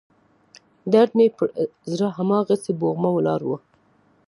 درد مې پر زړه هماغسې بوغمه ولاړ و.